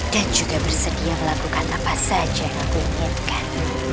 dan juga bersedia melakukan apa saja yang aku inginkan